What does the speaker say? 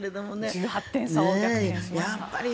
１８点差を逆転しました。